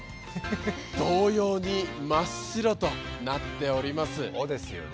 同様に真っ白となっております。